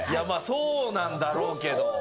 まぁそうなんだろうけど。